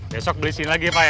besok beli sini lagi pak ya